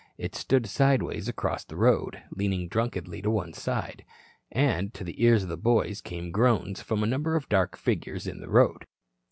It stood sideways across the road, leaning drunkenly to one side. And to the ears of the boys came groans from a number of dark figures in the road.